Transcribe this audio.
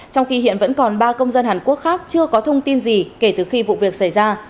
trong khi hiện vẫn còn ba công dân hàn quốc khác chưa có thông tin gì kể từ khi vụ việc xảy ra